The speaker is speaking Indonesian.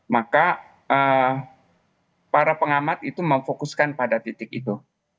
maka para pengamat itu memfokuskan pada titik itu